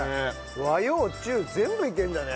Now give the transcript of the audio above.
和洋中全部いけるんだね。